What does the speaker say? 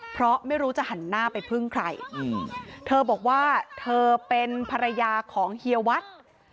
เพราะไม่รู้จะหันหน้าไปพึ่งใครเธอบอกว่าเธอเป็นภรรยาของเฮียวัด